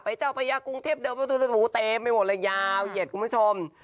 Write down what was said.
ไปเจ้าประยะกรุงเทพเต็มไปหมดเลยยาวเหยียดคุณผู้ชม